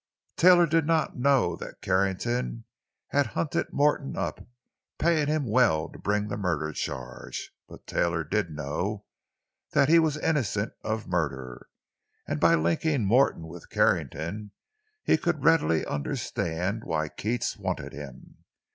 Taylor did not know that Carrington had hunted Morton up, paying him well to bring the murder charge, but Taylor did know that he was innocent of murder; and by linking Morton with Carrington he could readily understand why Keats wanted him.